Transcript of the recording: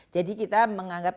jadi kita menganggap